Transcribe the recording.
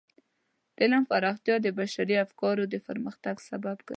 د علم پراختیا د بشري افکارو د پرمختګ سبب ګرځي.